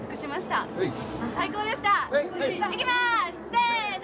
せの。